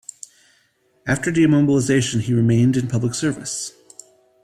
After demobilization he remained in public service.